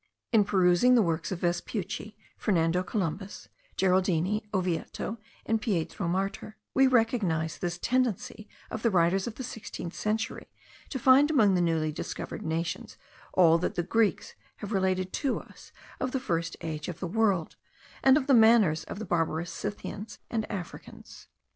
In perusing the works of Vespucci, Fernando Columbus, Geraldini, Oviedo, and Pietro Martyr, we recognize this tendency of the writers of the sixteenth century to find among the newly discovered nations all that the Greeks have related to us of the first age of the world, and of the manners of the barbarous Scythians and Africans.